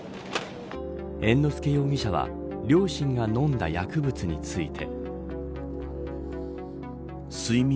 猿之助容疑者は両親が飲んだ薬物について。